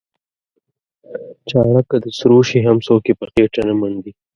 چاړه که د سرو شي هم څوک یې په خېټه نه منډي.